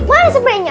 eh mana sepenyanya